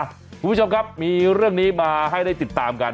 คุณผู้ชมครับมีเรื่องนี้มาให้ได้ติดตามกัน